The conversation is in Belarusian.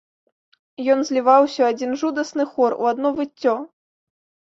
Ён зліваўся ў адзін жудасны хор, у адно выццё.